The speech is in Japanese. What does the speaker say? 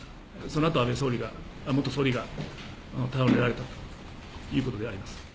そのあと安倍元総理が倒れられたということであります。